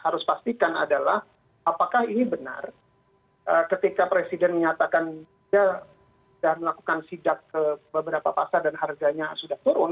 harus pastikan adalah apakah ini benar ketika presiden menyatakan dia sudah melakukan sidak ke beberapa pasar dan harganya sudah turun